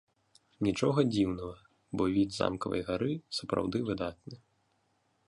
Нічога дзіўнага, бо від з замкавай гары сапраўды выдатны.